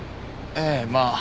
ええまあ。